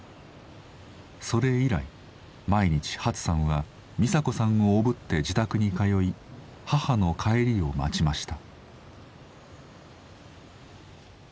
それ以来毎日ハツさんはミサ子さんをおぶって自宅に通い母の帰りを待ちました。